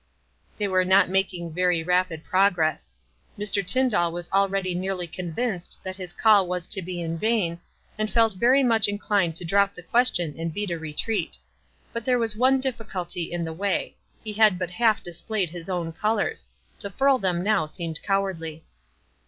They were not making very rapid progress. Mr. Tyndall was already nearly convinced that his call was to be in vain, and felt very much in clined to drop the question and beat a retreat. But there was one difficulty in the way — he had WISE AND OTHERWISE. 253 but half displayed his own colors ; to furl them now seemed cowardly.